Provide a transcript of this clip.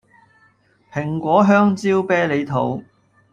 蘋果香蕉啤梨桃